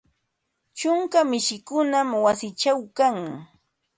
Ćhunka mishikunam wasiićhaw kan